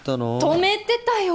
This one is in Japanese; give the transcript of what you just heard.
止めてたよ